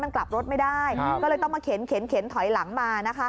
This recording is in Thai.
ก็เลยต้องมาเข็นเข็นถอยหลังมา